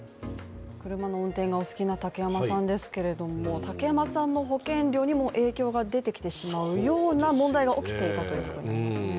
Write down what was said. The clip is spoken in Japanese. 車の運転がお好きな竹山さんですけれども竹山さんの保険料にも影響が出てきてしまうような問題が起きていたということですね。